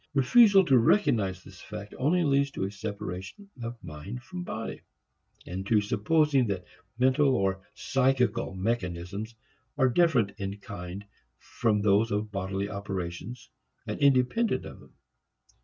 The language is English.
Refusal to recognize this fact only leads to a separation of mind from body, and to supposing that mental or "psychical" mechanisms are different in kind from those of bodily operations and independent of them.